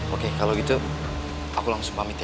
oke kalau gitu aku langsung pamit ya